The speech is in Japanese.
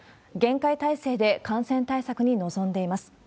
厳戒態勢で感染対策に臨んでいます。